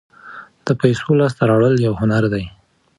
د پیسو لاسته راوړل یو هنر دی.